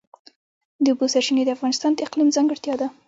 د اوبو سرچینې د افغانستان د اقلیم ځانګړتیا ده.